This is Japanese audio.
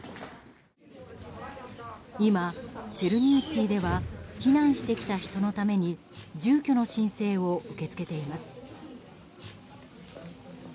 今、チェルニウツィでは避難してきた人のために住居の申請を受け付けています。